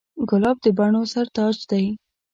ګلاب د بڼو سر تاج دی.